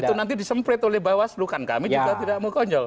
dan itu nanti disempret oleh bawaslu kan kami juga tidak mau konyol